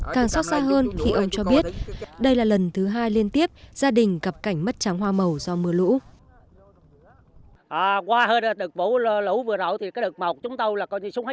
càng xót xa hơn thì ông cho biết đây là lần thứ hai liên tiếp gia đình gặp cảnh mất trắng hoa màu do mưa lũ